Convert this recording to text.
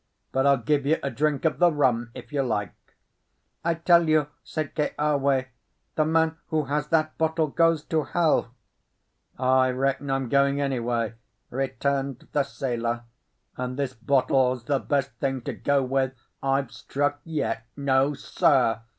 "But I'll give you a drink of the rum, if you like." "I tell you," said Keawe, "the man who has that bottle goes to hell." "I reckon I'm going anyway," returned the sailor; "and this bottle's the best thing to go with I've struck yet. No, sir!"